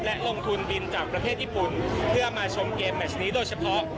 และลงทุนบินจากประเทศญี่ปุ่นเพื่อมาชมเกมแมชนี้โดยเฉพาะ